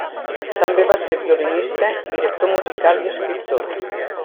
També va ser violinista, director musical i escriptor.